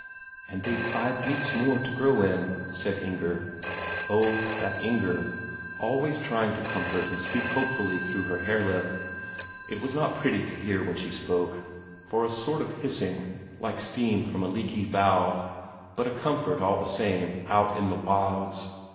"And they've five weeks more to grow in," said Inger. Oh, that Inger, always trying to comfort and speak hopefully through her hare lip. It was not pretty to hear when she spoke, for a sort of hissing, like steam from a leaky valve, but a comfort all the same out in the wilds.